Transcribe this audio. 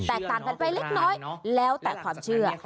แตกต่างแต่ละไปเล็กน้อยแล้วแต่ความเชื่อ